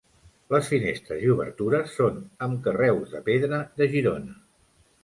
Les finestres i obertures són amb carreus de pedra de Girona.